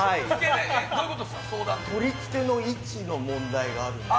取り付けの位置の問題があるんです。